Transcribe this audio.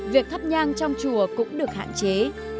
việc thắp nhang trong chùa cũng được hạn chế